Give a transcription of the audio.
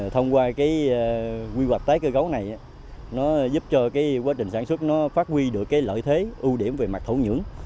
thông qua quy hoạch tái cơ cấu này nó giúp cho quá trình sản xuất nó phát huy được lợi thế ưu điểm về mặt thổ nhưỡng